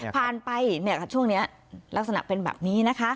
ผ่านไปเนี่ยค่ะช่วงนี้ลักษณะเป็นแบบนี้นะคะ